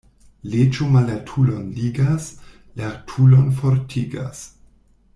Leĝo mallertulon ligas, lertulon fortigas.